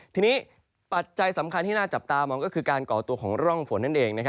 ทีนี้ปัจจัยสำคัญที่น่าจับตามองก็คือการก่อตัวของร่องฝนนั่นเอง